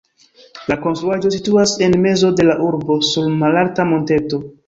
La konstruaĵo situas en mezo de la urbo sur malalta monteto.